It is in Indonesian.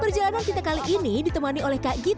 perjalanan kita kali ini ditemani oleh kak gita